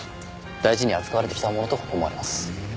大事に扱われてきたものと思われます。